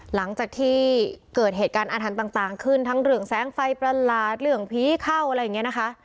หลังจากที่เกิดเหตุการณ์อาถรรพ์ต่างขึ้นทั้งเรื่องแสงไฟประหลาดเรื่องผีเข้าอะไรอย่างนี้นะคะ